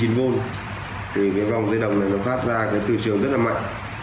vì cái vòng dây đồng này nó phát ra cái từ trường rất là mạnh